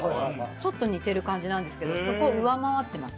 ちょっと似てる感じなんですけどそこ上回ってます。